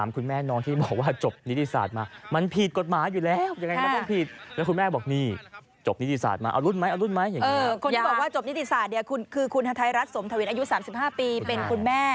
คนที่บอกว่าจบนิติศาสตร์เนี่ยคือคุณฮาไทยรัฐสมทวินอายุ๓๕ปีเป็นคุณแม่